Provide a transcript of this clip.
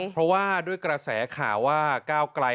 เพราะว่าด้วยกระแสข่าวว่าก้าวไกล